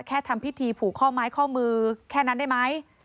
ทำพิธีผูกข้อไม้ข้อมือแค่นั้นได้ไหม